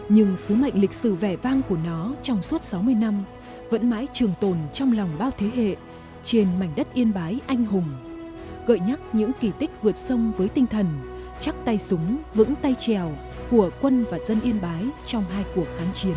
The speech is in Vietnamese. nhưng sứ mệnh lịch sử vẻ vang của nó trong suốt sáu mươi năm vẫn mãi trường tồn trong lòng bao thế hệ trên mảnh đất yên bái anh hùng gợi nhắc những kỳ tích vượt sông với tinh thần chắc tay súng vững tay trèo của quân và dân yên bái trong hai cuộc kháng chiến